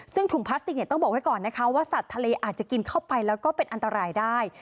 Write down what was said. ซึ่งถุงพลาสติกเนี่ยต้องบอกไว้ก่อนนะคะว่าสัตว์ทะเลอาจจะกินเข้าไปแล้วก็เป็นอันตรายได้